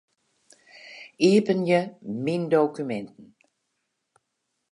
Iepenje Myn dokuminten.